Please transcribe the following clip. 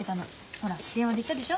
ほら電話で言ったでしょ